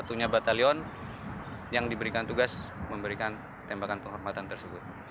dan di dalam batalion yang diberikan tugas memberikan tembakan kehormatan tersebut